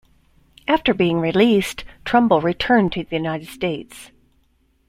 After being released, Trumbull returned to the United States.